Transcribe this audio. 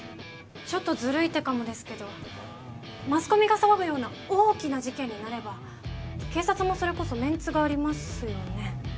ちょっとずるい手かもですけどマスコミが騒ぐような大きな事件になれば警察もそれこそメンツがありますよね